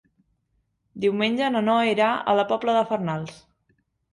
Diumenge na Noa irà a la Pobla de Farnals.